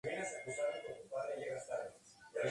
Fue parte de la Gran Logia de Chile.